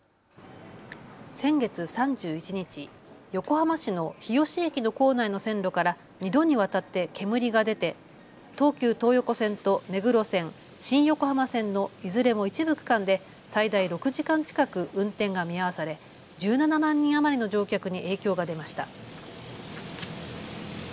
先月３１日、横浜市の日吉駅の構内の線路から２度にわたって煙が出て、東急東横線と目黒線、新横浜線のいずれも一部区間で最大６時間近く運転が見合わされ１７万人余りの乗客に影響が出ました。